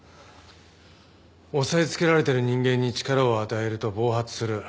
抑えつけられてる人間に力を与えると暴発する。